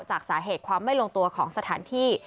จากสาเหตุความไม่ลงตัวของสถานที่